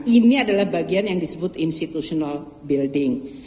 ini adalah bagian yang disebut institutional building